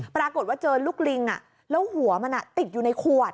ปรากฏว่าเจอลูกลิงแล้วหัวมันติดอยู่ในขวด